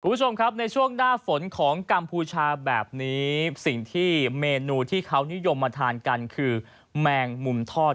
คุณผู้ชมครับในช่วงหน้าฝนของกัมพูชาแบบนี้สิ่งที่เมนูที่เขานิยมมาทานกันคือแมงมุมทอด